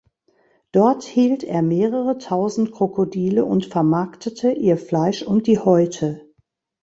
Dort hielt er mehrere tausend Krokodile und vermarktete ihr Fleisch und die Häute.